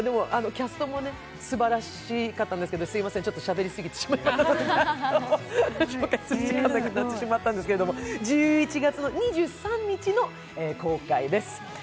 キャストもすばらしかったんですけど、すみませんちょっとしゃべりすぎてしまったんですけど１１月２３日の公開です。